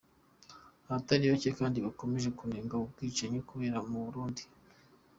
Abatari bacye kandi bakomeje kunenga ubu bwicanyi bubera mu Burundi.